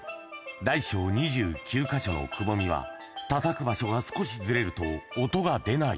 大小２９か所のくぼみは、たたく場所が少しずれると、音が出ない。